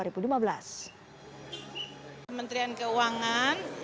pemirsa kementerian keuangan